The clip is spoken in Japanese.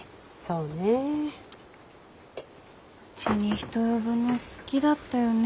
うちに人呼ぶの好きだったよね。